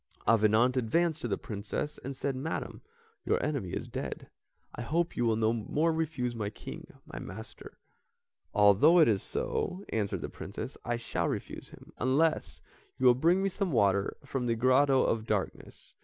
Avenant advanced to the Princess, and said, "Madam, your enemy is dead. I hope you will no more refuse the King, my master." "Although it is so," answered the Princess, "I shall refuse him unless you will bring me some water from the Grotto of Darkness.